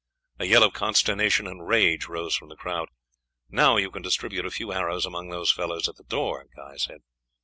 A yell of consternation and rage rose from the crowd. "Now you can distribute a few arrows among those fellows at the door," Guy said.